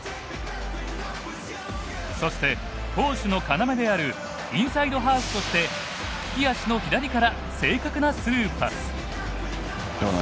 そして攻守の要であるインサイドハーフとして利き足の左から正確なスルーパス。